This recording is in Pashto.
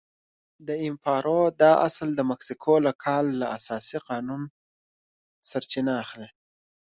د امپارو دا اصل د مکسیکو له کال له اساسي قانون سرچینه اخلي.